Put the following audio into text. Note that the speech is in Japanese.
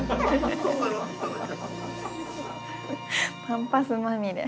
パンパスまみれ。